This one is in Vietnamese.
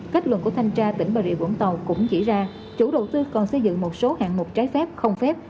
kết luận của thanh tra tỉnh bà rịa vũng tàu cũng chỉ ra chủ đầu tư còn xây dựng một số hạng mục trái phép không phép